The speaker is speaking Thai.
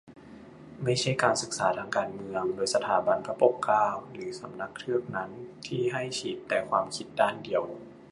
ไม่ใช่การศึกษาทางการเมือง โดย สถาบันพระปกเกล้า หรือสำนักเทือกนั้น ที่ให้ฉีดแต่ความคิดด้านเดียว